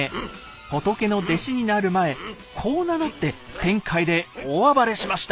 仏の弟子になる前こう名乗って天界で大暴れしました。